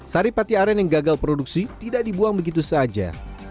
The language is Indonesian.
saripati aren yang gagal produksi tidak dibuang begitu saja